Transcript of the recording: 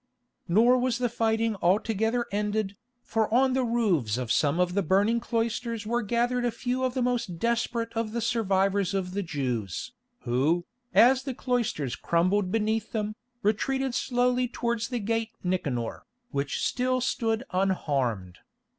Nor was the fighting altogether ended, for on the roofs of some of the burning cloisters were gathered a few of the most desperate of the survivors of the Jews, who, as the cloisters crumbled beneath them, retreated slowly towards the Gate Nicanor, which still stood unharmed.